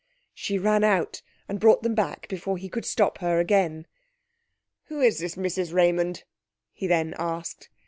She ran out and brought them back before he could stop her again. 'Who is this Mrs Raymond?' he then asked.